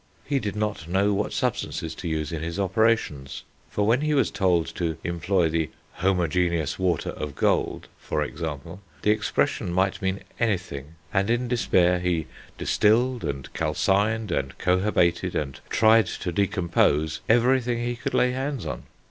He did not know what substances to use in his operations; for when he was told to employ "the homogeneous water of gold," for example, the expression might mean anything, and in despair he distilled, and calcined, and cohobated, and tried to decompose everything he could lay hands on.